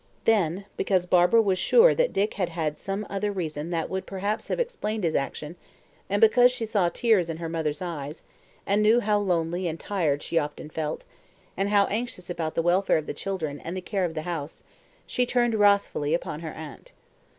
Then, because Barbara was sure that Dick had had some other reason that would perhaps have explained his action, and because she saw tears in her mother's eyes, and knew how lonely and tired she often felt, and how anxious about the welfare of the children and the care of the house, she turned wrathfully upon her aunt.